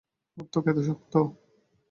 ওর ত্বক এত শক্ত!